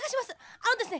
あのですね